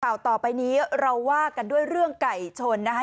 ข่าวต่อไปนี้เราว่ากันด้วยเรื่องไก่ชนนะคะ